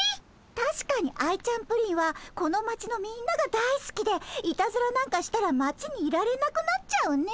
たしかにアイちゃんプリンはこの町のみんながだいすきでいたずらなんかしたら町にいられなくなっちゃうね。